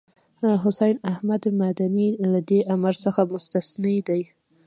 حسين احمد مدني له دې امر څخه مستثنی دی.